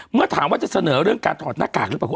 เมื่อถามว่าจะเสนอเรื่องการถอดหน้ากากหรือเปล่าคุณ